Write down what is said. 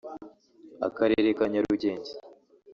akarere ka Nyarugenge